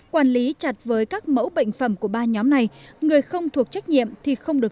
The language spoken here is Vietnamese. quản lý chặt với các mẫu bệnh phẩm của ba nhóm này người không thuộc trách nhiệm thì không được